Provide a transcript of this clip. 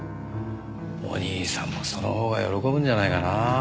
お義兄さんもそのほうが喜ぶんじゃないかなあ。